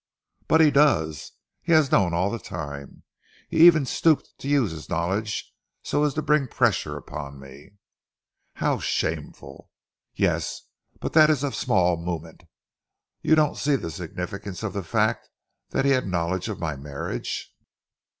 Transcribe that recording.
"But he does! He has known all the time. He even stooped to use his knowledge so as to bring pressure upon me." "How shameful!" "Yes! But that is of small moment. Don't you see the significance of the fact that he had knowledge of my marriage?